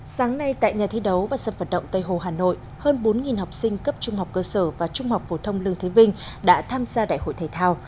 sáng nay tại nhà thi đấu và sân phận động tây hồ hà nội hơn bốn học sinh cấp trung học cơ sở và trung học phổ thông lương thế vinh đã tham gia đại hội thể thao